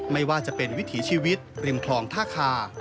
ไม่ว่าจะเป็นวิถีชีวิตริมคลองท่าคา